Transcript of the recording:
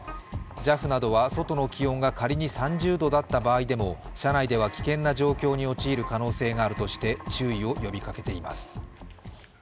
ＪＡＦなどは、外の気温が仮に３０度だった場合でも車内では危険な状況に陥る可能性があるとして注意を呼びかけています。